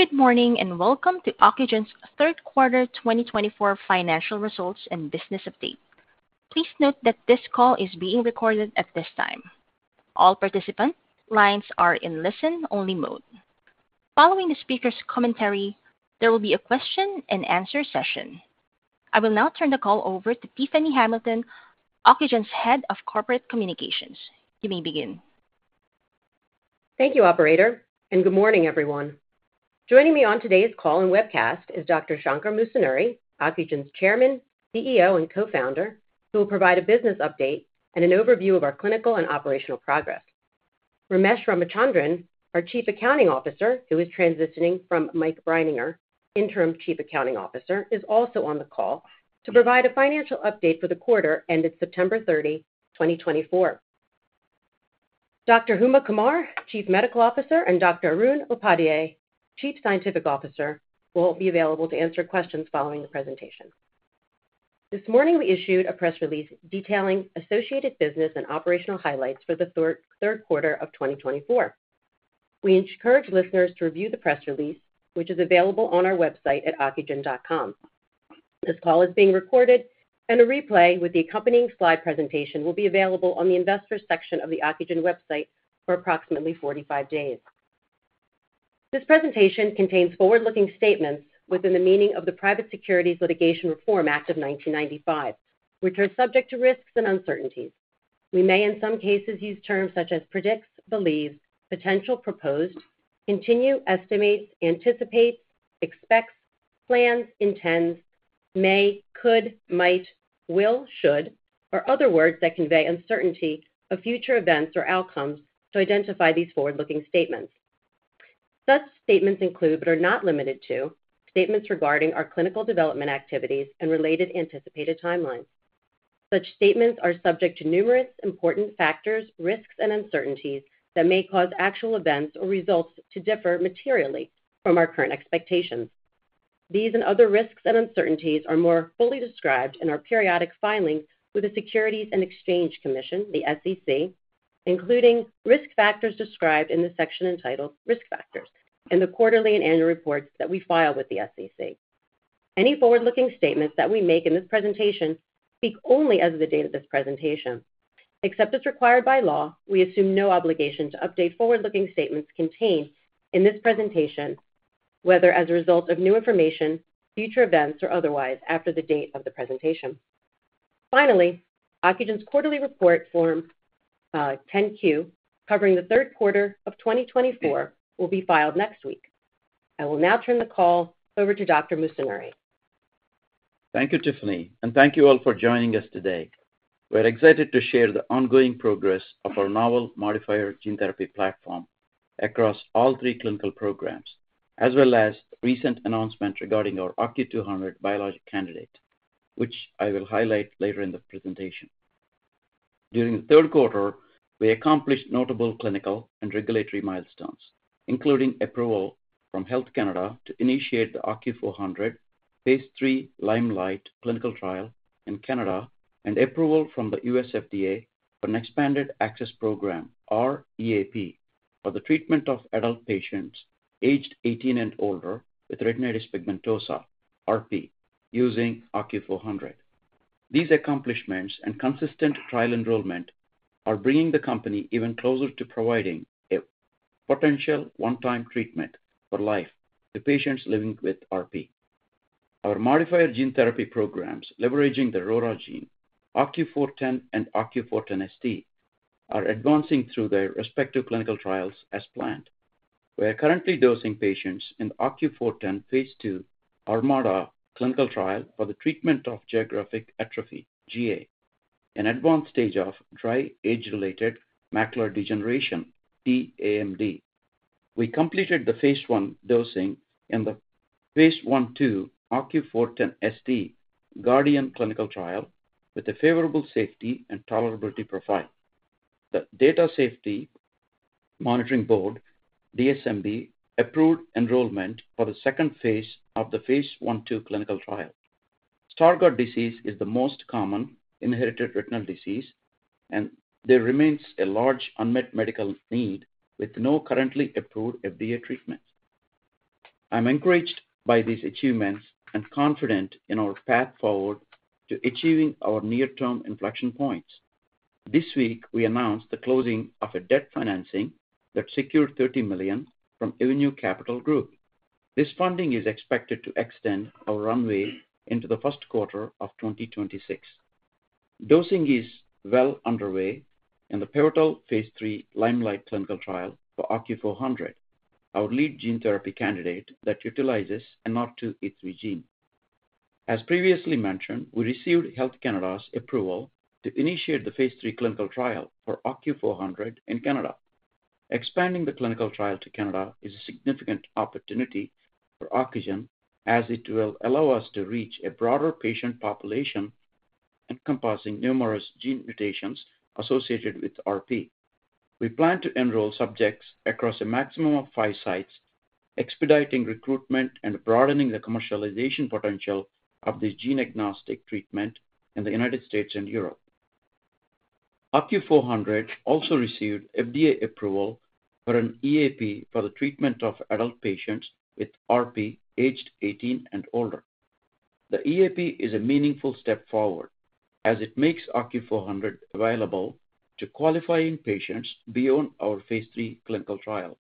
Good morning and welcome to Ocugen's third quarter 2024 financial results and business update. Please note that this call is being recorded at this time. All participant lines are in listen-only mode. Following the speaker's commentary, there will be a question-and-answer session. I will now turn the call over to Tiffany Hamilton, Ocugen's Head of Corporate Communications. You may begin. Thank you, Operator, and good morning, everyone. Joining me on today's call and webcast is Dr. Shankar Musunuri, Ocugen's Chairman, CEO, and Co-founder, who will provide a business update and an overview of our clinical and operational progress. Ramesh Ramachandran, our Chief Accounting Officer, who is transitioning from Mike Breininger, Interim Chief Accounting Officer, is also on the call to provide a financial update for the quarter ended September 30, 2024. Dr. Huma Qamar, Chief Medical Officer, and Dr. Arun Upadhyay, Chief Scientific Officer, will be available to answer questions following the presentation. This morning, we issued a press release detailing associated business and operational highlights for the third quarter of 2024. We encourage listeners to review the press release, which is available on our website at ocugen.com. This call is being recorded, and a replay with the accompanying slide presentation will be available on the Investor's section of the Ocugen website for approximately 45 days. This presentation contains forward-looking statements within the meaning of the Private Securities Litigation Reform Act of 1995, which are subject to risks and uncertainties. We may, in some cases, use terms such as predicts, believes, potential, proposed, continue, estimates, anticipates, expects, plans, intends, may, could, might, will, should, or other words that convey uncertainty of future events or outcomes to identify these forward-looking statements. Such statements include, but are not limited to, statements regarding our clinical development activities and related anticipated timelines. Such statements are subject to numerous important factors, risks, and uncertainties that may cause actual events or results to differ materially from our current expectations. These and other risks and uncertainties are more fully described in our periodic filings with the Securities and Exchange Commission, the SEC, including risk factors described in the section entitled Risk Factors in the quarterly and annual reports that we file with the SEC. Any forward-looking statements that we make in this presentation speak only as of the date of this presentation. Except as required by law, we assume no obligation to update forward-looking statements contained in this presentation, whether as a result of new information, future events, or otherwise after the date of the presentation. Finally, Ocugen's quarterly report Form 10-Q, covering the third quarter of 2024, will be filed next week. I will now turn the call over to Dr. Musunuri. Thank you, Tiffany, and thank you all for joining us today. We're excited to share the ongoing progress of our novel modifier gene therapy platform across all three clinical programs, as well as a recent announcement regarding our OCU200 biologic candidate, which I will highlight later in the presentation. During the third quarter, we accomplished notable clinical and regulatory milestones, including approval from Health Canada to initiate the OCU400 phase III LimeLight clinical trial in Canada and approval from the U.S. FDA for an expanded access program, or EAP, for the treatment of adult patients aged 18 and older with retinitis pigmentosa, RP, using OCU400. These accomplishments and consistent trial enrollment are bringing the company even closer to providing a potential one-time treatment for life, the patients living with RP. Our modifier gene therapy programs, leveraging the RORA gene, OCU410 and OCU410ST, are advancing through their respective clinical trials as planned. We are currently dosing patients in the OCU410 phase II Armada clinical trial for the treatment of geographic atrophy, GA, an advanced stage of dry age-related macular degeneration, dAMD. We completed the phase I dosing in the phase I/II OCU410ST Guardian clinical trial with a favorable safety and tolerability profile. The Data and Safety Monitoring Board, DSMB, approved enrollment for the second phase of the phase I/II clinical trial. Stargardt disease is the most common inherited retinal disease, and there remains a large unmet medical need with no currently approved FDA treatment. I'm encouraged by these achievements and confident in our path forward to achieving our near-term inflection points. This week, we announced the closing of a debt financing that secured $30 million from Avenue Capital Group. This funding is expected to extend our runway into the first quarter of 2026. Dosing is well underway in the pivotal phase III LimeLight clinical trial for OCU400, our lead gene therapy candidate that utilizes an NR2E3 gene. As previously mentioned, we received Health Canada's approval to initiate the phase III clinical trial for OCU400 in Canada. Expanding the clinical trial to Canada is a significant opportunity for Ocugen, as it will allow us to reach a broader patient population encompassing numerous gene mutations associated with RP. We plan to enroll subjects across a maximum of five sites, expediting recruitment and broadening the commercialization potential of this gene-agnostic treatment in the United States and Europe. OCU400 also received FDA approval for an EAP for the treatment of adult patients with RP aged 18 and older. The EAP is a meaningful step forward, as it makes OCU400 available to qualifying patients beyond our phase III clinical trial,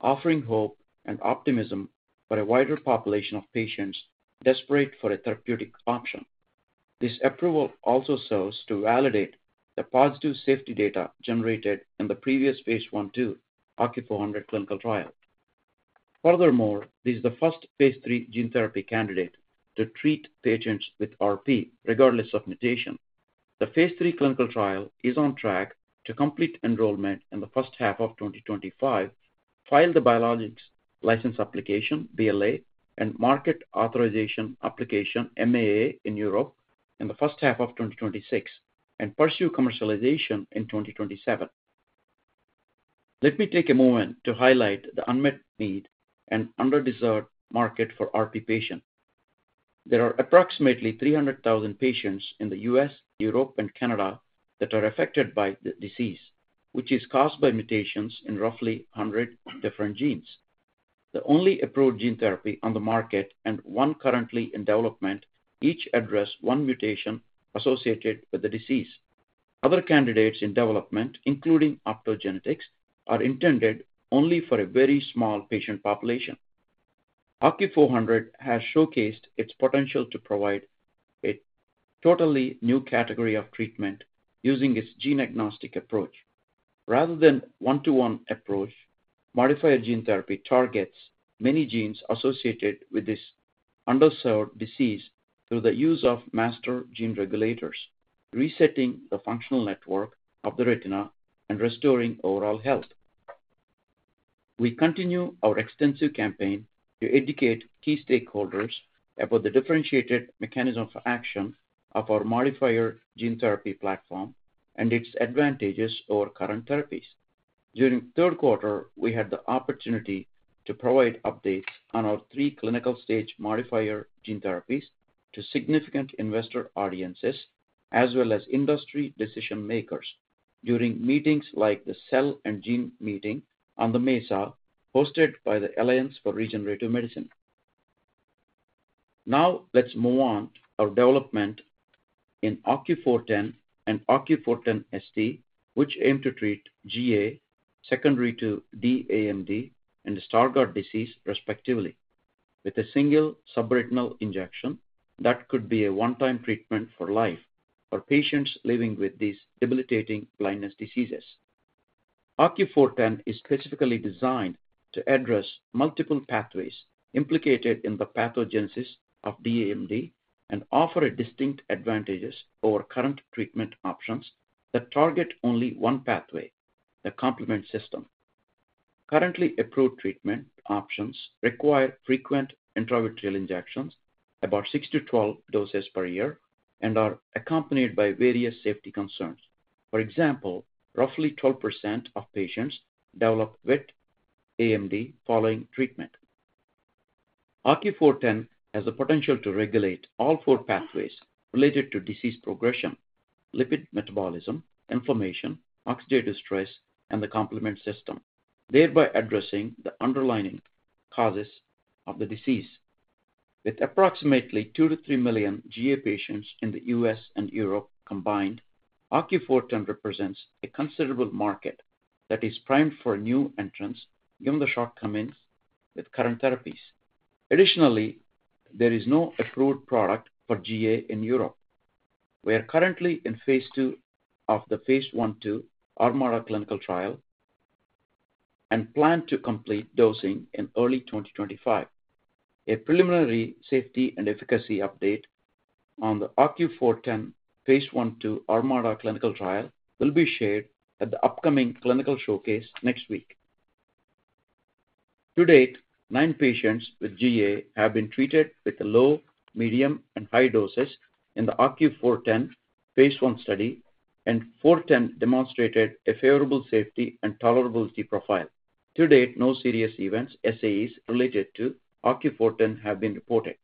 offering hope and optimism for a wider population of patients desperate for a therapeutic option. This approval also serves to validate the positive safety data generated in the previous phase I, II OCU400 clinical trial. Furthermore, this is the first phase III gene therapy candidate to treat patients with RP, regardless of mutation. The phase III clinical trial is on track to complete enrollment in the first half of 2025, file the Biologics License Application, BLA, and Market Authorization Application, MAA, in Europe in the first half of 2026, and pursue commercialization in 2027. Let me take a moment to highlight the unmet need and underserved market for RP patients. There are approximately 300,000 patients in the U.S., Europe, and Canada that are affected by the disease, which is caused by mutations in roughly 100 different genes. The only approved gene therapy on the market and one currently in development each address one mutation associated with the disease. Other candidates in development, including optogenetics, are intended only for a very small patient population. OCU400 has showcased its potential to provide a totally new category of treatment using its gene-agnostic approach. Rather than a one-to-one approach, modifier gene therapy targets many genes associated with this underserved disease through the use of master gene regulators, resetting the functional network of the retina and restoring overall health. We continue our extensive campaign to educate key stakeholders about the differentiated mechanism of action of our modifier gene therapy platform and its advantages over current therapies. During the third quarter, we had the opportunity to provide updates on our three clinical stage modifier gene therapies to significant investor audiences, as well as industry decision-makers, during meetings like the Cell and Gene Meeting on the Mesa hosted by the Alliance for Regenerative Medicine. Now, let's move on to our development in OCU410 and OCU410ST, which aim to treat GA secondary to dAMD and Stargardt disease, respectively, with a single subretinal injection that could be a one-time treatment for life for patients living with these debilitating blindness diseases. OCU410 is specifically designed to address multiple pathways implicated in the pathogenesis of dAMD and offer distinct advantages over current treatment options that target only one pathway, the complement system. Currently approved treatment options require frequent intravitreal injections, about 6 to 12 doses per year, and are accompanied by various safety concerns. For example, roughly 12% of patients develop wet AMD following treatment. OCU410 has the potential to regulate all four pathways related to disease progression, lipid metabolism, inflammation, oxidative stress, and the complement system, thereby addressing the underlying causes of the disease. With approximately two to three million GA patients in the U.S. and Europe combined, OCU410 represents a considerable market that is primed for new entrants given the shortcomings with current therapies. Additionally, there is no approved product for GA in Europe. We are currently in phase II of the phase I/II Armada clinical trial and plan to complete dosing in early 2025. A preliminary safety and efficacy update on the OCU410 phase I/II Armada clinical trial will be shared at the upcoming clinical showcase next week. To date, nine patients with GA have been treated with the low, medium, and high doses in the OCU410 phase I study, and OCU410 demonstrated a favorable safety and tolerability profile. To date, no serious events, SAEs, related to OCU410 have been reported.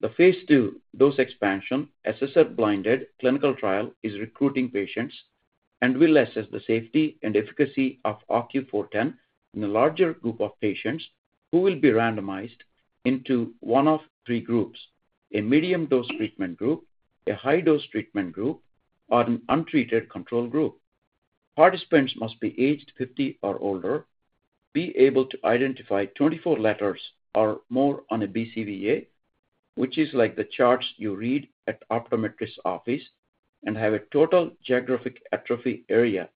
The phase II dose expansion assessor-blinded clinical trial is recruiting patients and will assess the safety and efficacy of OCU410 in a larger group of patients who will be randomized into one of three groups: a medium dose treatment group, a high dose treatment group, or an untreated control group. Participants must be aged 50 or older, be able to identify 24 letters or more on a BCVA, which is like the charts you read at optometrist office, and have a total geographic atrophy area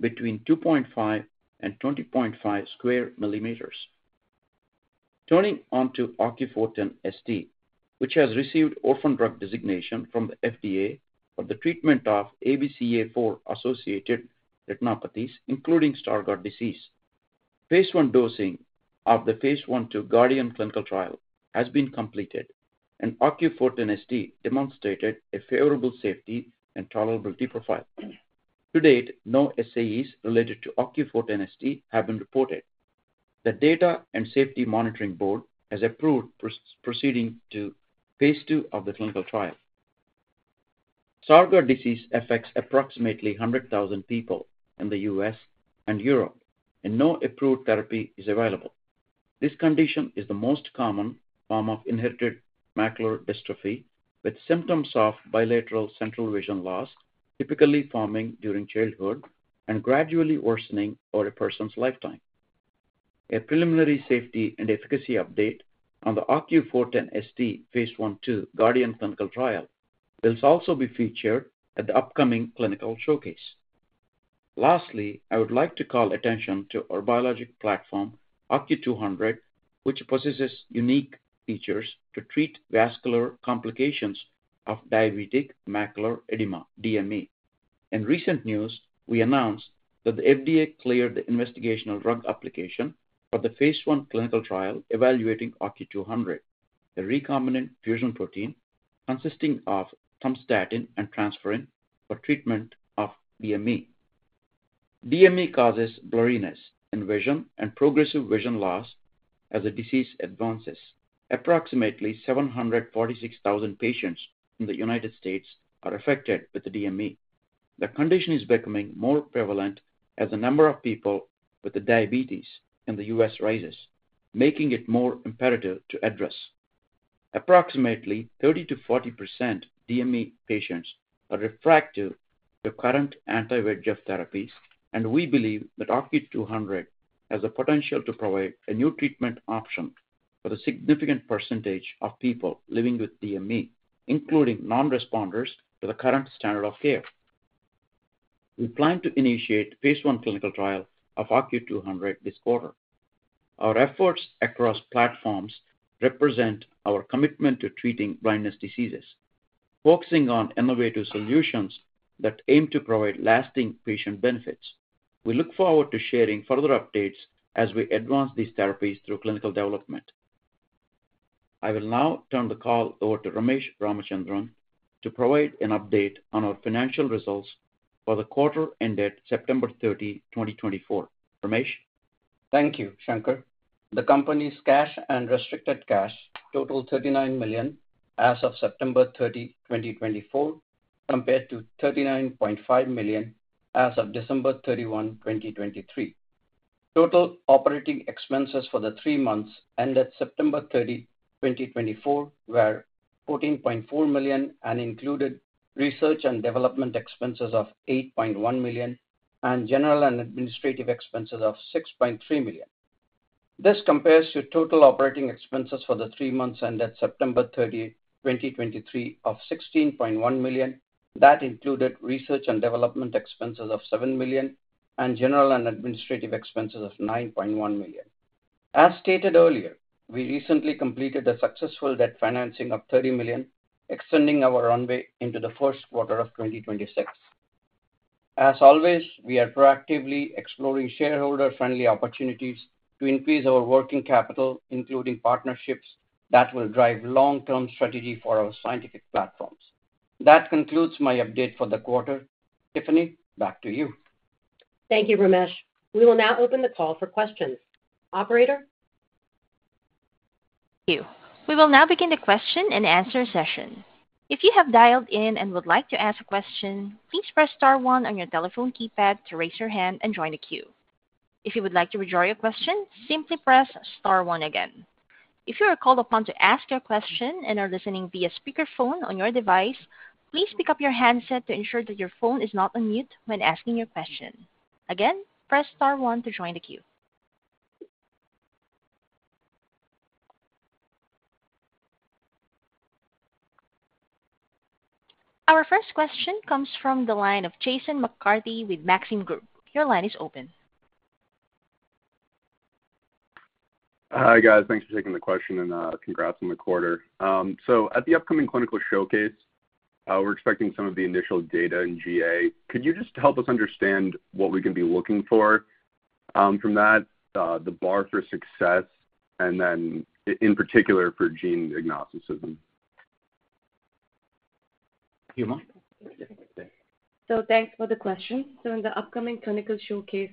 between 2.5 and 20.5 sq mm. Turning on to OCU410ST, which has received Orphan Drug designation from the FDA for the treatment of ABCA4 associated retinopathies, including Stargardt disease. Phase I dosing of the phase I/II Guardian clinical trial has been completed, and OCU410ST demonstrated a favorable safety and tolerability profile. To date, no SAEs related to OCU410ST have been reported. The Data and Safety Monitoring Board has approved proceeding to phase II of the clinical trial. Stargardt disease affects approximately 100,000 people in the U.S. and Europe, and no approved therapy is available. This condition is the most common form of inherited macular dystrophy, with symptoms of bilateral central vision loss typically forming during childhood and gradually worsening over a person's lifetime. A preliminary safety and efficacy update on the OCU410ST phase I/II Guardian clinical trial will also be featured at the upcoming clinical showcase. Lastly, I would like to call attention to our biologic platform, OCU200, which possesses unique features to treat vascular complications of diabetic macular edema, DME. In recent news, we announced that the FDA cleared the investigational drug application for the phase I clinical trial evaluating OCU200, a recombinant fusion protein consisting of tumstatin and transferrin for treatment of DME. DME causes blurriness in vision and progressive vision loss as the disease advances. Approximately 746,000 patients in the United States are affected with DME. The condition is becoming more prevalent as the number of people with diabetes in the U.S. rises, making it more imperative to address. Approximately 30%-40% of DME patients are refractive to current anti-VEGF therapies, and we believe that OCU200 has the potential to provide a new treatment option for the significant percentage of people living with DME, including non-responders to the current standard of care. We plan to initiate the phase I clinical trial of OCU200 this quarter. Our efforts across platforms represent our commitment to treating blindness diseases, focusing on innovative solutions that aim to provide lasting patient benefits. We look forward to sharing further updates as we advance these therapies through clinical development. I will now turn the call over to Ramesh Ramachandran to provide an update on our financial results for the quarter ended September 30, 2024. Ramesh? Thank you, Shankar. The company's cash and restricted cash total $39 million as of September 30, 2024, compared to $39.5 million as of December 31, 2023. Total operating expenses for the three months ended September 30, 2024, were $14.4 million and included research and development expenses of $8.1 million and general and administrative expenses of $6.3 million. This compares to total operating expenses for the three months ended September 30, 2023, of $16.1 million, that included research and development expenses of $7 million and general and administrative expenses of $9.1 million. As stated earlier, we recently completed a successful debt financing of $30 million, extending our runway into the first quarter of 2026. As always, we are proactively exploring shareholder-friendly opportunities to increase our working capital, including partnerships that will drive long-term strategy for our scientific platforms. That concludes my update for the quarter. Tiffany, back to you. Thank you, Ramesh. We will now open the call for questions. Operator? Thank you. We will now begin the question and answer session. If you have dialed in and would like to ask a question, please press Star 1 on your telephone keypad to raise your hand and join the queue. If you would like to withdraw your question, simply press Star 1 again. If you are called upon to ask your question and are listening via speakerphone on your device, please pick up your handset to ensure that your phone is not on mute when asking your question. Again, press Star 1 to join the queue. Our first question comes from the line of Jason McCarthy with Maxim Group. Your line is open. Hi, guys. Thanks for taking the question and congrats on the quarter. So at the upcoming clinical showcase, we're expecting some of the initial data in GA. Could you just help us understand what we can be looking for from that, the bar for success, and then in particular for gene agnosticism? Huma? So thanks for the question. So in the upcoming clinical showcase,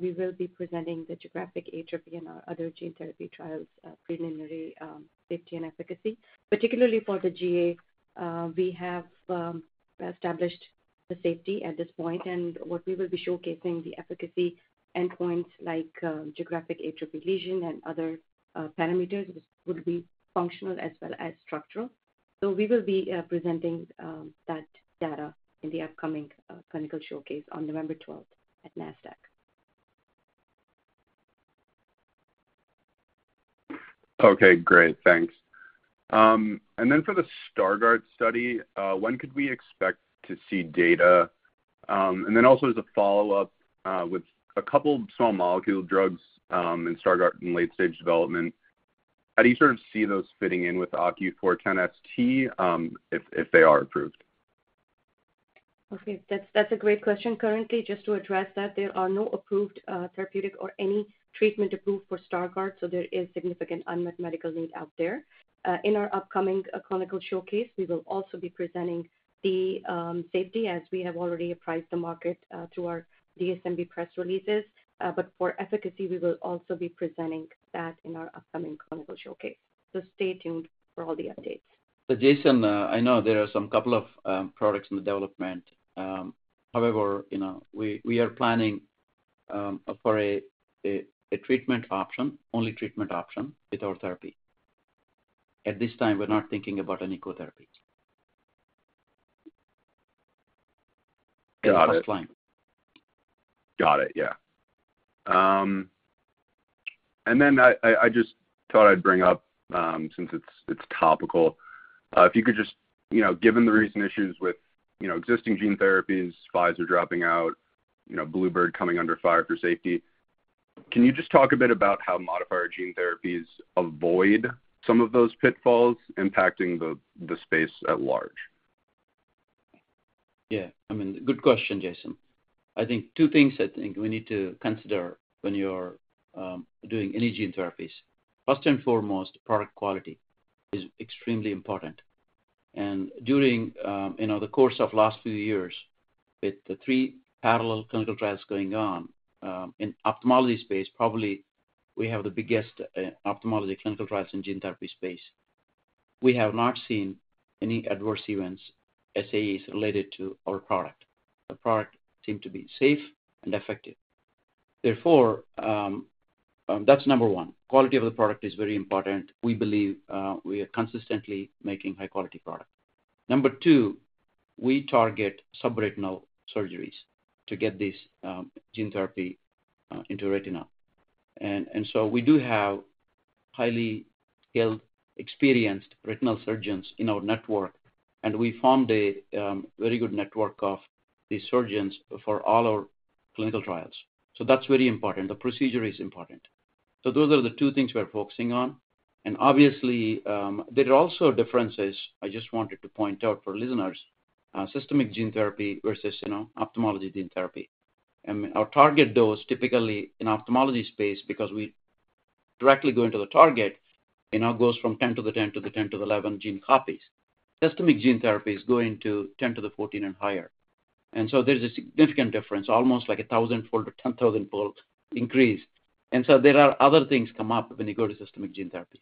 we will be presenting the geographic atrophy and our other gene therapy trials, preliminary safety and efficacy. Particularly for the GA, we have established the safety at this point, and what we will be showcasing, the efficacy endpoints like geographic atrophy lesion and other parameters would be functional as well as structural. So we will be presenting that data in the upcoming clinical showcase on November 12th at Nasdaq. Okay, great. Thanks. And then for the Stargardt study, when could we expect to see data? And then also as a follow-up with a couple of small molecule drugs and Stargardt in late-stage development, how do you sort of see those fitting in with OCU410ST if they are approved? Okay, that's a great question. Currently, just to address that, there are no approved therapeutic or any treatment approved for Stargardt, so there is significant unmet medical need out there. In our upcoming clinical showcase, we will also be presenting the safety as we have already apprised the market through our DSMB press releases. But for efficacy, we will also be presenting that in our upcoming clinical showcase. So stay tuned for all the updates. So Jason, I know there are some couple of products in the development. However, we are planning for a treatment option, only treatment option with our therapy. At this time, we're not thinking about any co-therapy. Got it. Got it, yeah. I just thought I'd bring up, since it's topical, if you could just, given the recent issues with existing gene therapies, Pfizer dropping out, Bluebird coming under fire for safety, can you just talk a bit about how modifier gene therapies avoid some of those pitfalls impacting the space at large? Yeah, I mean, good question, Jason. I think two things I think we need to consider when you're doing any gene therapies. First and foremost, product quality is extremely important. During the course of the last few years, with the three parallel clinical trials going on in ophthalmology space, probably we have the biggest ophthalmology clinical trials in gene therapy space. We have not seen any adverse events, SAEs related to our product. The product seemed to be safe and effective. Therefore, that's number one. Quality of the product is very important. We believe we are consistently making high-quality product. Number two, we target subretinal surgeries to get this gene therapy into retina, and so we do have highly skilled, experienced retinal surgeons in our network, and we formed a very good network of these surgeons for all our clinical trials, so that's very important. The procedure is important, so those are the two things we're focusing on, and obviously, there are also differences I just wanted to point out for listeners, systemic gene therapy versus ophthalmology gene therapy, and our target dose typically in ophthalmology space, because we directly go into the target, goes from 10 to the 10 to the 11 gene copies. Systemic gene therapies go into 10 to the 14 and higher, and so there's a significant difference, almost like a thousandfold to ten thousandfold increase. And so there are other things come up when you go to systemic gene therapies.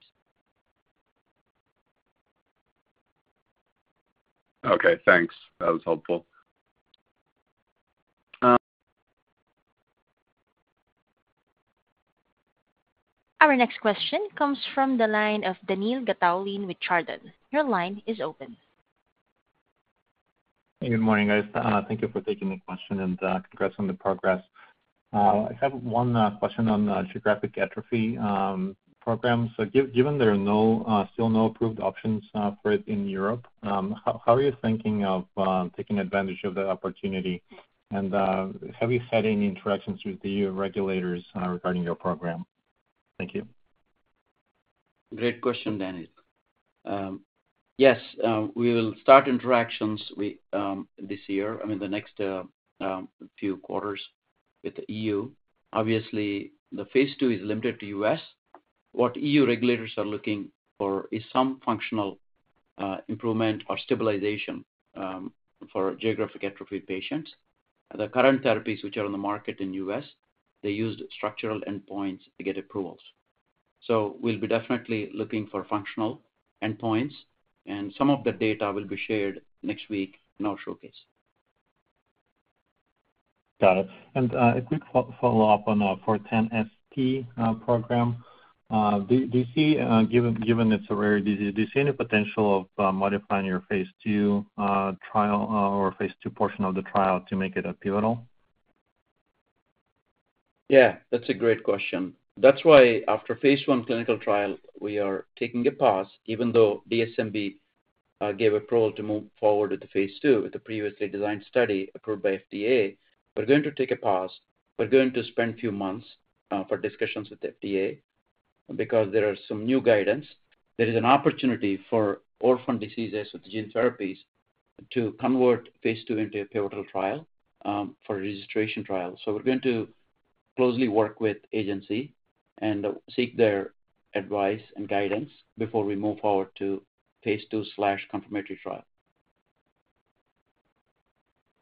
Okay, thanks. That was helpful. Our next question comes from the line of Daniil Gataulin with Chardan. Your line is open. Good morning, guys. Thank you for taking the question and congrats on the progress. I have one question on geographic atrophy programs. So given there are still no approved options for it in Europe, how are you thinking of taking advantage of the opportunity? And have you had any interactions with the regulators regarding your program? Thank you. Great question, Daniil. Yes, we will start interactions this year, I mean, the next few quarters with the EU. Obviously, the phase II is limited to the U.S. What EU regulators are looking for is some functional improvement or stabilization for geographic atrophy patients. The current therapies which are on the market in the U.S., they use structural endpoints to get approvals. So we'll be definitely looking for functional endpoints, and some of the data will be shared next week in our showcase. Got it. And a quick follow-up on the 410ST program. Do you see, given it's a rare disease, do you see any potential of modifying your phase II trial or phase II portion of the trial to make it a pivotal? Yeah, that's a great question. That's why after phase I clinical trial, we are taking a pause, even though DSMB gave approval to move forward with the phase II with the previously designed study approved by FDA. We're going to take a pause. We're going to spend a few months for discussions with FDA because there are some new guidance. There is an opportunity for orphan diseases with gene therapies to convert phase II into a pivotal trial for registration trial. So we're going to closely work with the agency and seek their advice and guidance before we move forward to phase II/confirmatory trial.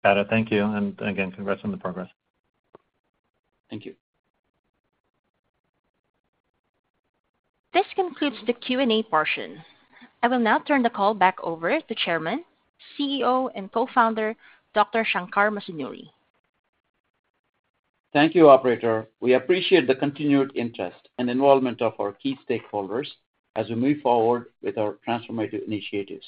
Got it. Thank you. And again, congrats on the progress. Thank you. This concludes the Q&A portion. I will now turn the call back over to Chairman, CEO, and Co-founder, Dr. Shankar Musunuri. Thank you, Operator. We appreciate the continued interest and involvement of our key stakeholders as we move forward with our transformative initiatives.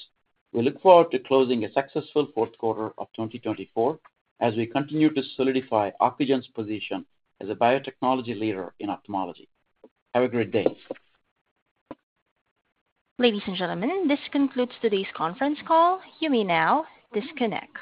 We look forward to closing a successful fourth quarter of 2024 as we continue to solidify Ocugen's position as a biotechnology leader in ophthalmology. Have a great day. Ladies and gentlemen, this concludes today's conference call. You may now disconnect.